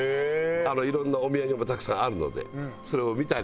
いろんなお土産もたくさんあるのでそれを見たり。